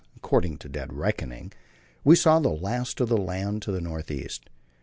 according to dead reckoning we saw the last of the land to the north east.